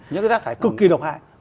những cái rác thải củng cực kì độc hại